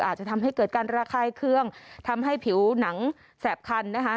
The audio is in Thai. อาจจะทำให้เกิดการระคายเครื่องทำให้ผิวหนังแสบคันนะคะ